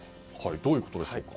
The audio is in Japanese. どういうことでしょう？